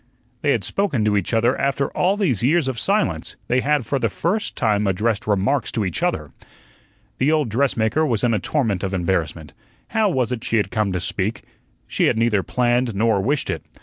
They had spoken to each other after all these years of silence; they had for the first time addressed remarks to each other. The old dressmaker was in a torment of embarrassment. How was it she had come to speak? She had neither planned nor wished it.